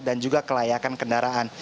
dan juga kelayakan kendaraan